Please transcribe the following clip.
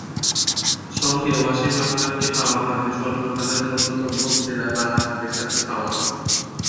সঙ্গে ওয়াসিম আকরামকে পাওয়া মানে সর্বকালের অন্যতম সেরা বাঁহাতি পেসারকে পাওয়া।